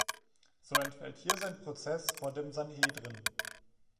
So entfällt hier sein Prozess vor dem Sanhedrin.